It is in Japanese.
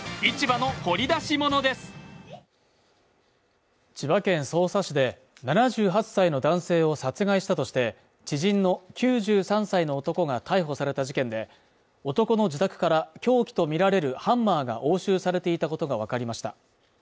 ＮＯ．１千葉県匝瑳市で７８歳の男性を殺害したとして知人の９３歳の男が逮捕された事件で、男の自宅から凶器とみられるハンマーが押収されていたことがわかりました。